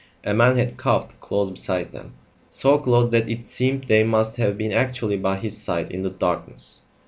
A man had coughed close beside them so close that it seemed they must have been actually by his side in the darkness.